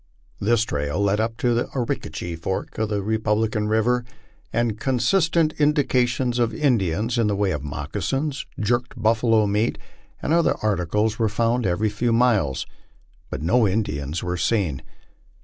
This trail led up the Arickaree fork of the Republican river, and con stant indications of Indians, in the way of moccasins, jerked buffalo meat, and other articles, were found every few miles, but no Indians were seen.